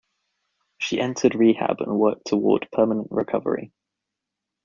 She entered rehab and worked toward permanent recovery.